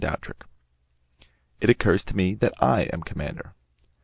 "IT OCCURS TO ME THAT I AM COMMANDER!"